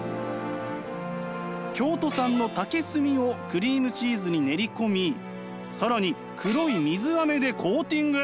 京都産の竹炭をクリームチーズに練り込み更に黒い水アメでコーティング！